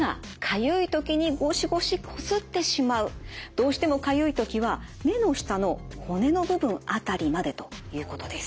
どうしてもかゆい時は目の下の骨の部分辺りまでということです。